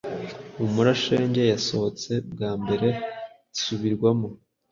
Humura Shenge yasohotse bwa mbere isubirwamo